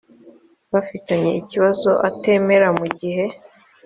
bafitanye ikibazo atemera mu gihe